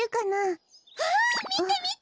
わみてみて！